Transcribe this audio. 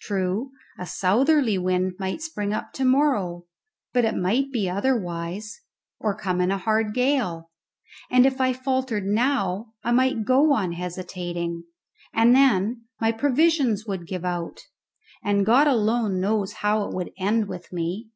True, a southerly wind might spring up to morrow, but it might be otherwise, or come in a hard gale; and if I faltered now I might go on hesitating, and then my provisions would give out, and God alone knows how it would end with me.